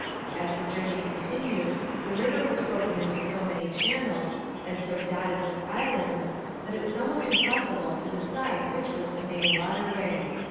As the journey continued the river was broken into so many channels and so dotted with islands, that it was almost impossible to decide which was the main waterway.